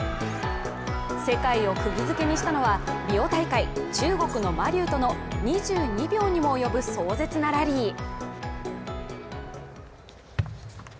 世界をくぎづけにしたのはリオ大会、中国の馬龍との２２秒にも及ぶ壮絶なラリー。